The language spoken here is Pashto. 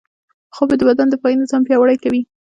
خوب د بدن دفاعي نظام پیاوړی کوي